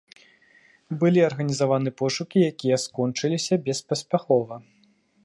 Былі арганізаваны пошукі, якія скончыліся беспаспяхова.